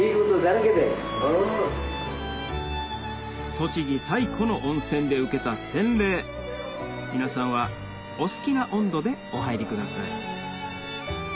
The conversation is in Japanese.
栃木最古の温泉で受けた洗礼皆さんはお好きな温度でお入りください